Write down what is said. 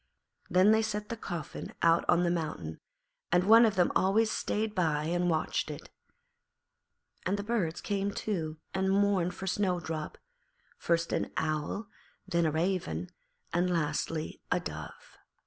Then they set the coffin out on the mountain, and one of them always stayed by and watched it. And the birds came too and mourned for Snowdrop, first an owl, then a raven, and lastly a dove.